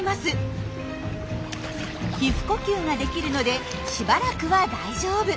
皮膚呼吸ができるのでしばらくは大丈夫。